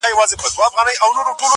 د شرابو خُم پر سر واړوه یاره~